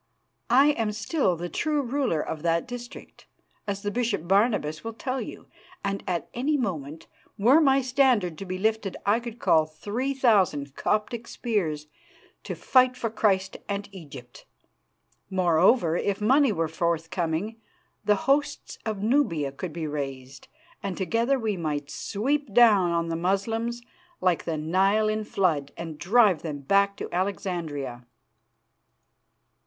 I am still the true ruler of that district, as the Bishop Barnabas will tell you, and at any moment, were my standard to be lifted, I could call three thousand Coptic spears to fight for Christ and Egypt. Moreover, if money were forthcoming, the hosts of Nubia could be raised, and together we might sweep down on the Moslems like the Nile in flood, and drive them back to Alexandria."